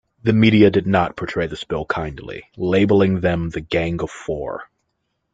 The media did not portray the spill kindly, labelling them the 'Gang of Four'.